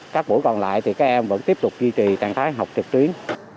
các buổi còn lại thì các em vẫn tiếp tục duy trì trạng thái học trực tuyến